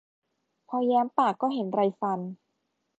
พอแย้มปากก็เห็นไรฟัน